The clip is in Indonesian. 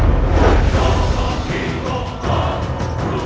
uesta yang sudah disedari ini